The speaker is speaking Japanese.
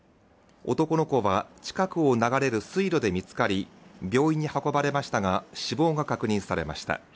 男の子は近くを流れる水路で見つかり病院に運ばれましたが、死亡が確認されました。